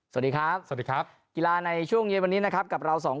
สวัสดีครับสวัสดีครับกีฬาในช่วงเย็นวันนี้นะครับกับเราสองคน